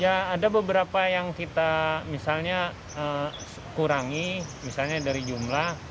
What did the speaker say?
ya ada beberapa yang kita misalnya kurangi misalnya dari jumlah